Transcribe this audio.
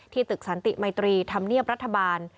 ตึกสันติมัยตรีธรรมเนียบรัฐบาล